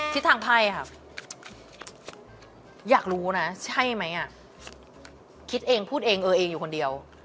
ทิศทางไพ่ครับอยากรู้นะใช่ไหมอ่ะคิดเองพูดเองเออเองอยู่คนเดียว